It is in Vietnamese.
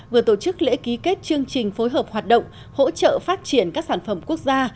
vừa tổ chức lễ ký kết chương trình phối hợp hoạt động hỗ trợ phát triển các sản phẩm quốc gia